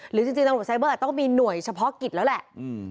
หรือจริงตำรวจไซเบอร์ต้องมีหน่วยเฉพาะกิจแล้วแหละ